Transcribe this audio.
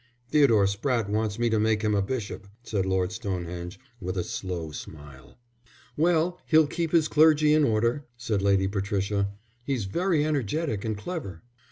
"Theodore Spratte wants me to make him a bishop," said Lord Stonehenge, with a slow smile. "Well, he'll keep his clergy in order," said Lady Patricia. "He's very energetic and clever."